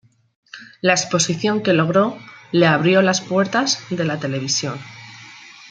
La exposición que logró le abrió las puertas de la televisión.